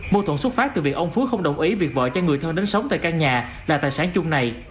mô thuẫn xuất phát từ việc ông phước không đồng ý việc vợ cho người thân đến sống tại căn nhà là tài sản chung này